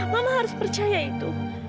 mama harus percaya itu